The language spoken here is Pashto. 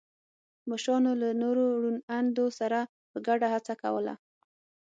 مشرانو له نورو روڼ اندو سره په ګډه هڅه کوله.